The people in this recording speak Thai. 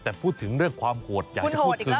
แต่พูดถึงเรื่องความโหดอยากจะพูดถึง